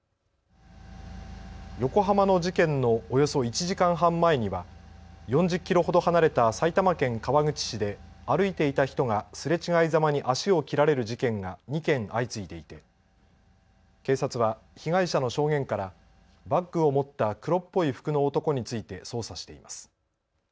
横浜の事件のおよそ１時間半前には４０キロほど離れた埼玉県川口市で歩いていた人がすれ違いざまに足を切られる事件が２件相次いでいて警察は被害者の証言からバッグを持った黒っぽい服の男について捜査しています。